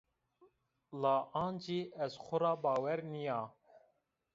La ancî ez xo ra bawer nîya